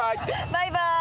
バイバイ。